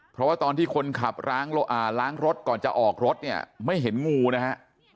เพราะว่าตอนที่คนขับล้างรถก่อนจะออกรถเนี่ยไม่เห็นงูนะฮะ